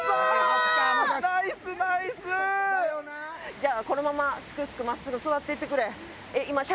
じゃあこのまますくすく真っすぐ育っていってくれ。